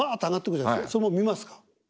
それも見ますか？